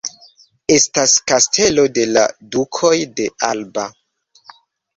Estas Kastelo de la Dukoj de Alba.